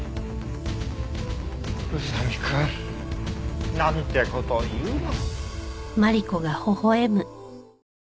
宇佐見くんなんて事言うの。